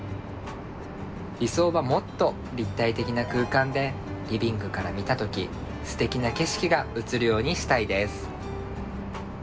理想はもっと立体的な空間でリビングから見た時すてきな景色が映るようにしたいです。